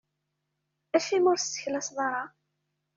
Acimi ur tesseklaseḍ ara?